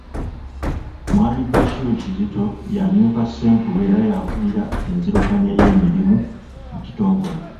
Mwami Bashir Kizito y'amyuka Ssenkulu era y’akulira enzirukanya y’emirimu mu kitongole.